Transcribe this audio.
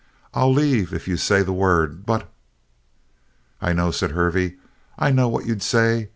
I'll leave if you say the word, but " "I know," said Hervey. "I know what you'd say.